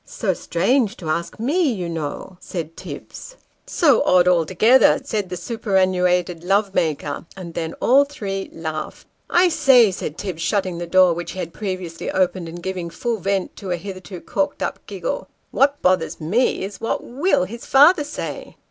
" So strange to ask me, you know," said Tibbs. " So odd altogether !" said the superannuated love maker ; and then all three laughed. " I say," said Tibbs, shutting the door which he had previously opened, and giving full vent to a hitherto corked up giggle, " what bothers me is, what ivill his father say